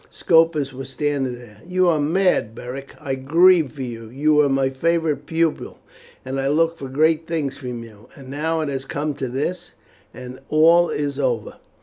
Scopus was standing there. "You are mad, Beric. I grieve for you. You were my favourite pupil, and I looked for great things from you, and now it has come to this, and all is over."